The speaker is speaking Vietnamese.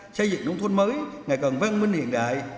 xây dựng nông thôn mới ngày càng văn minh hiện đại